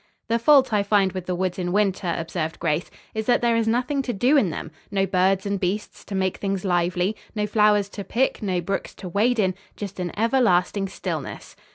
"The fault I find with the woods in winter," observed Grace, "is that there is nothing to do in them, no birds and beasts to make things lively, no flowers to pick, no brooks to wade in. Just an everlasting stillness."